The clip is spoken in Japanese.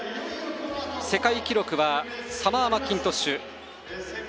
世界記録はサマー・マッキントッシュ。